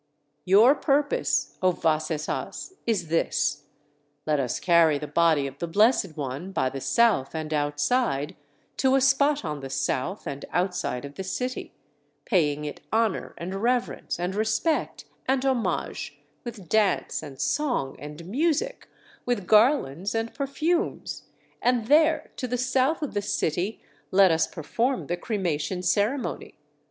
"Your purpose, O Vasetthas, is this: 'Let us carry the body of the Blessed One, by the south and outside, to a spot on the south, and outside of the city, paying it honor, and reverence, and respect, and homage, with dance and song and music, with garlands and perfumes, and there, to the south of the city, let us perform the cremation ceremony.'